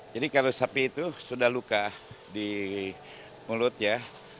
jadi kalau sapi itu sudah luka di mulut ya